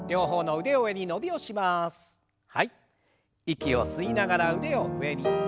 息を吸いながら腕を上に。